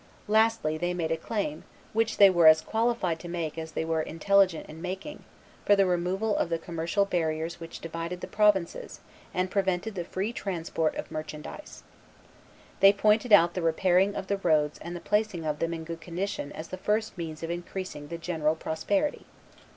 Lastly they made a claim, which they were as qualified to make as they were intelligent in making, for the removal of the commercial barriers which divided the provinces and prevented the free transport of merchandise. They pointed out the repairing of the roads and the placing of them in good condition as the first means of increasing the general prosperity.